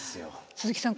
鈴木さん